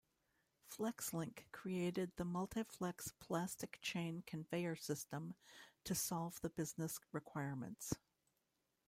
FlexLink created the multiflex plastic chain conveyor system to solve the business requirements.